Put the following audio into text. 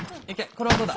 これはどうだ！